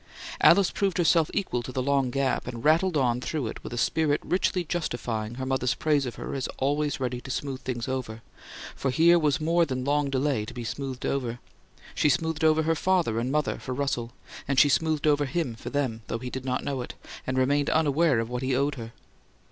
Alice proved herself equal to the long gap, and rattled on through it with a spirit richly justifying her mother's praise of her as "always ready to smooth things over"; for here was more than long delay to be smoothed over. She smoothed over her father and mother for Russell; and she smoothed over him for them, though he did not know it, and remained unaware of what he owed her.